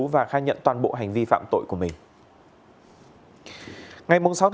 và khai nhận toàn bộ hành vi phạm tội của mình